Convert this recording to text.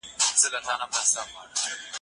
هر وخت د اللهﷻ په یاد کې اوسه.